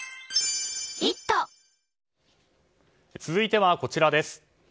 続いてはこちらです。